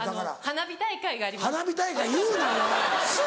花火大会があります。